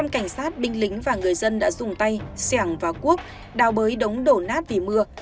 cảnh sát binh lính và người dân đã dùng tay xẻng và cuốc đào bới đống đổ nát vì mưa